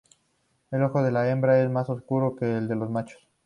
El ojo de las hembras es más oscuro que el de los machos.